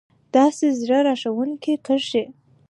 داسې زړه راښکونکې کرښې